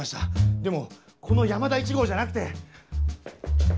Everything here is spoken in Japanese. でもこの「山田１号」じゃなくて。